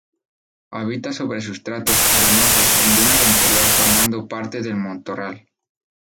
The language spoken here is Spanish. Habita sobre sustratos arenosos en dunas de interior formando parte del matorral.